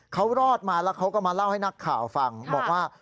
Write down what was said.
เขารอดมาแล้วเขาก็มาเล่าให้นักข่าวฟังบอกว่า